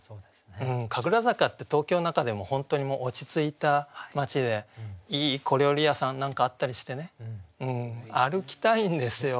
神楽坂って東京の中でも本当に落ち着いた町でいい小料理屋さんなんかあったりしてね歩きたいんですよ。